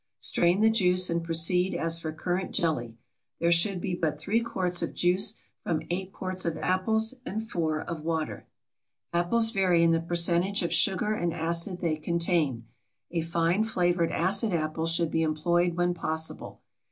Strain the juice and proceed as for currant jelly. There should be but 3 quarts of juice from 8 quarts of apples and 4 of water. Apples vary in the percentage of sugar and acid they contain. A fine flavored acid apple should be employed when possible.